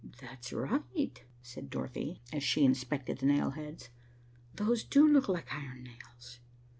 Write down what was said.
"That's right," said Dorothy, as she inspected the nail heads. "Those do look like iron nails."